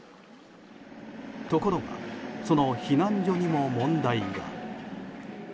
ところがその避難所にも問題が。